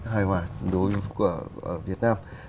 hài hòa đối với việt nam